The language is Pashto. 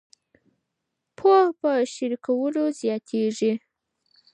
پوهه په شریکولو زیاتیږي.